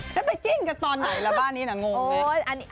แล้วไปจิ้นกันตอนไหนล่ะบ้านนี้น่ะงงไหม